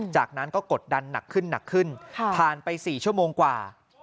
จากนั้นก็กดดันหนักขึ้นหนักขึ้นผ่านไป๔ชั่วโมงกว่า